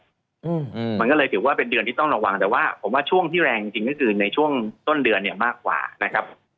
อืมมันก็เลยถือว่าเป็นเดือนที่ต้องระวังแต่ว่าผมว่าช่วงที่แรงจริงจริงก็คือในช่วงต้นเดือนเนี่ยมากกว่านะครับ